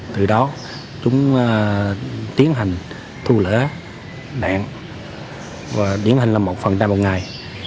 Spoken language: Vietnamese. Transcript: từ đó chúng tiến hành thu lỡ đạn và tiến hành làm một phần ra một ngày